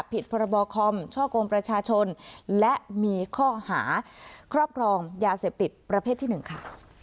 พรบคอมช่อกงประชาชนและมีข้อหาครอบครองยาเสพติดประเภทที่๑ค่ะ